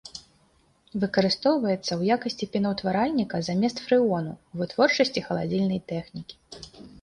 Выкарыстоўваецца ў якасці пенаўтваральніка замест фрэону ў вытворчасці халадзільнай тэхнікі.